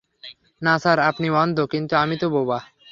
না স্যার, আপনি অন্ধ, - কিন্তু আমিতো বোবা।